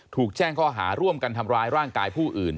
ถูกแจ้งข้อหาร่วมกันทำร้ายร่างกายผู้อื่น